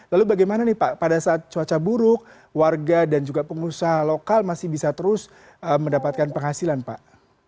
lalu bagaimana nih pak pada saat cuaca buruk warga dan juga pengusaha lokal masih bisa terus mendapatkan penghasilan pak